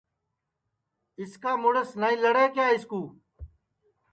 اِس کا مُڑس نائی لڑے کیا اِس کُو